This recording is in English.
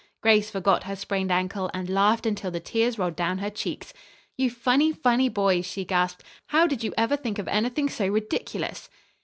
Grace forgot her sprained ankle and laughed until the tears rolled down her cheeks. "You funny, funny boys," she gasped, "how did you ever think of anything so ridiculous!"